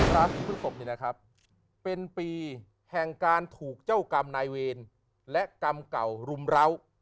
ราศีพฤศพนี่นะครับเป็นปีแห่งการถูกเจ้ากรรมนายเวรและกรรมเก่ารุมร้าว